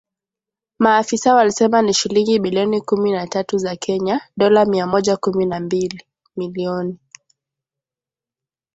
Maafisa walisema ni shilingi bilioni kumi na tatu za Kenya (Dola mia moja kumi na mbili milioni).